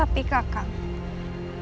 aku bisa setelah waktu itu